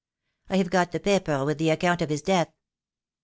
I have got the paper with the account of his death."